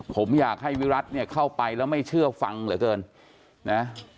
ผมอยากให้วิรัติเนี่ยเข้าไปแล้วไม่เชื่อฟังเหลือเกินนะ